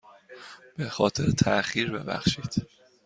به خاطر تاخیر ببخشید.